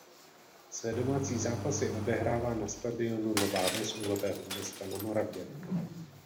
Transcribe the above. Své domácí zápasy odehrává na stadionu Nová Ves u Nového Města na Moravě.